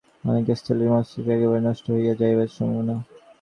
অনেক স্থলেই মস্তিষ্ক একেবারে নষ্ট হইয়া যাইবার সম্ভাবনা।